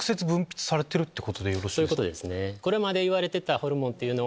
そういうことですね。